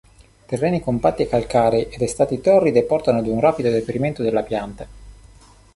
Terreni compatti e calcarei, ed estati torride portano ad un rapido deperimento della pianta.